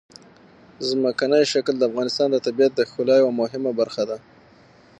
ځمکنی شکل د افغانستان د طبیعت د ښکلا یوه مهمه برخه ده.